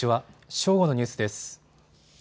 正午のニュースです。